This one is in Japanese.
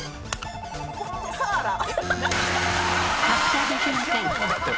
発車できません。